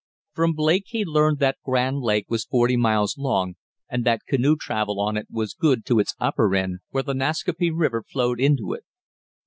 From Blake he learned that Grand Lake was forty miles long, and that canoe travel on it was good to its upper end, where the Nascaupee River flowed into it.